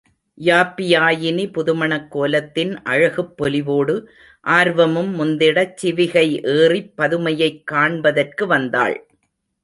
யாப்பியாயினி புதுமணக் கோலத்தின் அழகுப் பொலிவோடு, ஆர்வமும் முந்திடச் சிவிகை ஏறிப் பதுமையைக் காண்பதற்கு வந்தாள்.